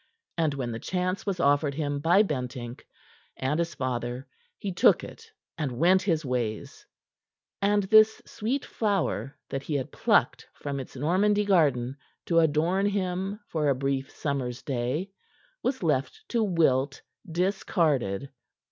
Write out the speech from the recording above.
And when the chance was offered him by Bentinck and his father, he took it and went his ways, and this sweet flower that he had plucked from its Normandy garden to adorn him for a brief summer's day was left to wilt, discarded.